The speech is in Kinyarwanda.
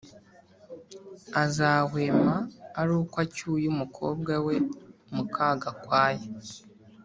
Azahwema ari uko acyuye umukobwa we mukagakwaya